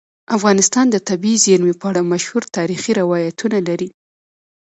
افغانستان د طبیعي زیرمې په اړه مشهور تاریخی روایتونه لري.